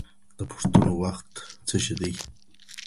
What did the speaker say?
د پوښتنو وخت څه شی دی؟